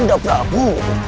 tidak ada perabu